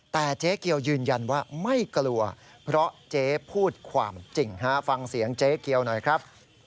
แต่เจ๊เกียวยืนยันว่าไม่กลัวเพราะเจ๊พูดความจริงฮะฟังเสียงเจ๊เกียวหน่อยครับ